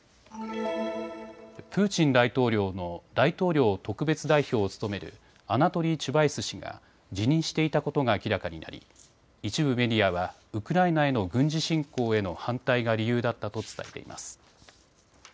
プーチン大統領の大統領特別代表を務めるアナトリー・チュバイス氏が辞任していたことが明らかになり一部メディアはウクライナへの軍事侵攻への反対が理由だったと伝えています。